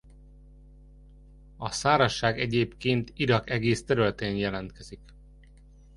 A szárazság egyébként Irak egész területén jelentkezik.